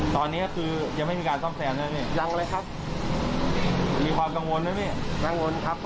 ตอนนี้คือยังไม่มีการซ่อมแซมใช่ไหมครับพี่ยังเลยครับ